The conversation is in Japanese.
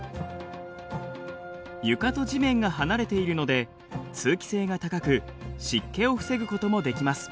床と地面が離れているので通気性が高く湿気を防ぐこともできます。